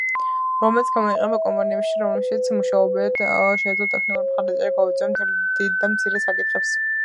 რომელიც გამოიყენება კომპანიაში რომელშიც მუშაობენ შეეძლოთ ტექნიკური მხარდაჭერა გაუწიონ მთელ დიდ და მცირე საკითხებს.